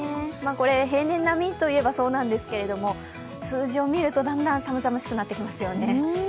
これ、平年並みといえばそうなんですけれども、数字を見ると、だんだん寒々しくなってきますよね。